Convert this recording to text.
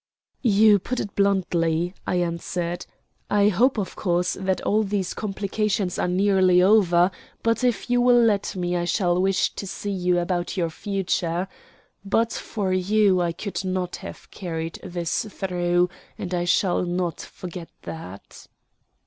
"You put it bluntly," I answered. "I hope, of course, that all these complications are nearly over, but if you will let me I shall wish to see you about your future. But for you I could not have carried this through, and I shall not forget that."